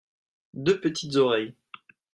deux petites oreilles.